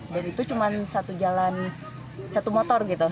dan itu cuma satu jalan satu motor gitu